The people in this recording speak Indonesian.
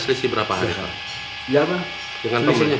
selisih berapa hari